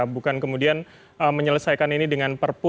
bukan kemudian menyelesaikan ini dengan perpu